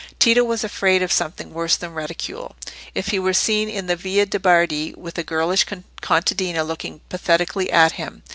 Tito was afraid of something worse than ridicule, if he were seen in the Via de' Bardi with a girlish contadina looking pathetically at him.